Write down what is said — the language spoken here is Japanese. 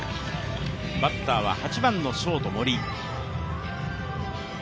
バッターは８番のショート・森。